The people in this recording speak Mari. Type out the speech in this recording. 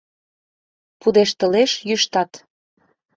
Пудештылеш йӱштат...